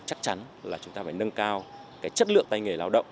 chắc chắn là chúng ta phải nâng cao cái chất lượng tay nghề lao động